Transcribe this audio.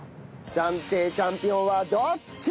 暫定チャンピオンはどっち！？